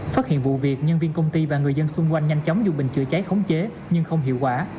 phát hiện vụ việc nhân viên công ty và người dân xung quanh nhanh chóng dùng bình chữa cháy khống chế nhưng không hiệu quả